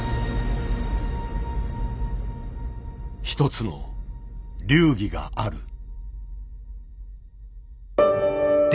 一つの流儀がある。